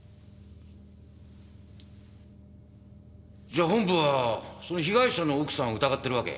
じゃあ本部はその被害者の奥さんを疑ってるわけ？